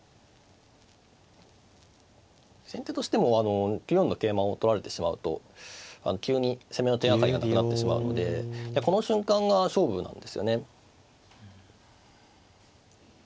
先手としても９四の桂馬を取られてしまうと急に攻めの手がかりがなくなってしまうのでこの瞬間が勝負なんですよね。